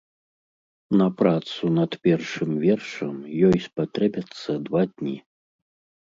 На працу над першым вершам ёй спатрэбяцца два дні.